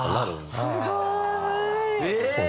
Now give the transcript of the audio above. すごい！